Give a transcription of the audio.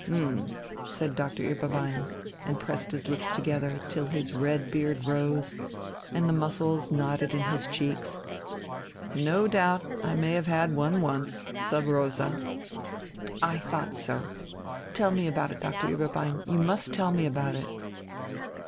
"H'm," said Doctor Ueberbein, and pressed his lips together, till his red beard rose, and the muscles knotted in his cheeks. "No doubt I may have had one once, sub rosa." "I thought so! Tell me about it, Doctor Ueberbein. You must tell me about it!"